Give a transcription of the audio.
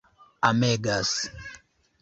amegas